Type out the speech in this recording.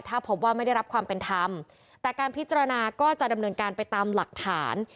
ถ้าพบว่าไม่ได้รับความเป็นธรรมแต่การพิจารณาก็จะดำเนินการไปตามหลักฐาน